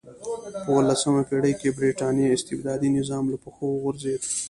په اولسمه پېړۍ کې برېټانیا استبدادي نظام له پښو وغورځېد.